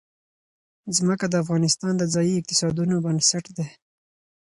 ځمکه د افغانستان د ځایي اقتصادونو بنسټ دی.